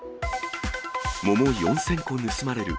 桃４０００個盗まれる。